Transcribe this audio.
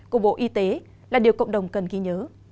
của bộ y tế là điều cộng đồng cần ghi nhớ